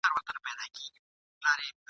او د کلماتو ښکلا او پر ځای استعمال !.